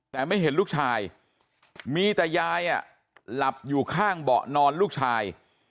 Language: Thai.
แต่ไม่เห็นลูกชายมีแต่ยายหลับอยู่ข้างเบาะนอนลูกชาย